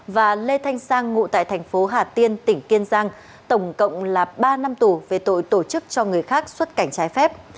và lê thanh sang ngụ tại thành phố hà tiên tỉnh kiên giang tổng cộng là ba năm tù về tội tổ chức cho người khác xuất cảnh trái phép